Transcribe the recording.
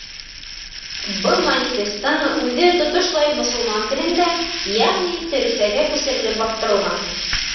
Был манифестың үҙе тотошлай мосолман телендә, йәғни төрөксәгә күсерелеп баҫтырылған.